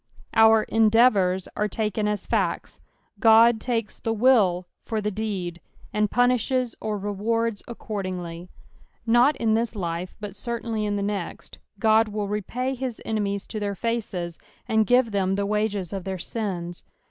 Our " endeatovri" are taken ax facts ; Ood takes the will for the deed, and punishes or rewards accordingly. Nut in this life, but certainly in the next, Ood will repay his enemies to their faces, aod give them the wages of their sins.